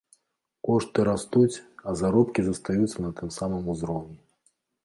Кошты растуць, а заробкі застаюцца на тым самым узроўні.